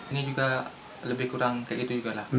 ini juga lebih kurang kayak itu juga lah